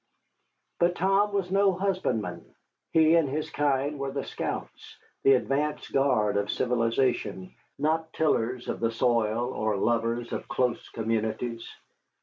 But Tom was no husbandman. He and his kind were the scouts, the advance guard of civilization, not tillers of the soil or lovers of close communities.